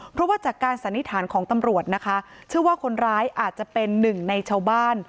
เพราะว่าจากการสันนิษฐานของตำรวจนะคะเชื่อว่าคนร้ายอาจจะเป็นหนึ่งในชาวบ้าน